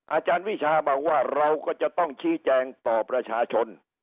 อาจารย์วิชาบอกว่าเราก็จะต้องชี้แจงต่อประชาชน